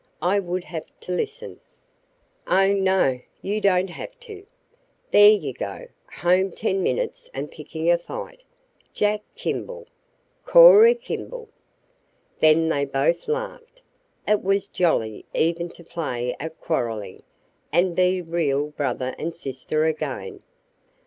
I would have to listen " "Oh, no. You don't have to " "There you go! Home ten minutes and picking a fight " "Jack Kimball!" "Cora Kimball!" Then they both laughed. It was jolly even to play at quarreling, and be real brother and sister again.